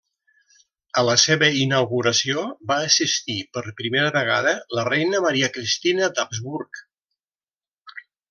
A la seva inauguració va assistir per primera vegada la reina Maria Cristina d'Habsburg.